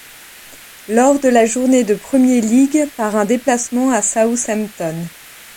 Lors de la journée de Premier League par un déplacement à Southampton.